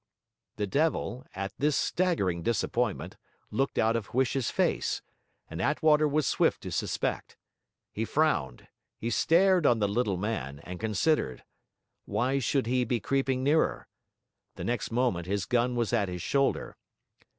The devil, at this staggering disappointment, looked out of Huish's face, and Attwater was swift to suspect. He frowned, he stared on the little man, and considered. Why should he be creeping nearer? The next moment, his gun was at his shoulder.